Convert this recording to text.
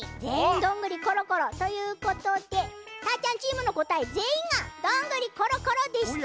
「どんぐりころころ」ということでたーちゃんチームのこたえぜんいんが「どんぐりころころ」でした。